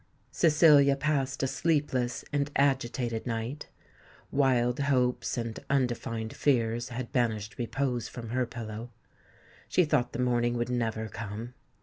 Cecilia passed a sleepless and agitated night. Wild hopes and undefined fears had banished repose from her pillow. She thought the morning would never come.